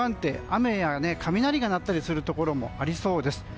雨や雷が鳴ったりするところもありそうです。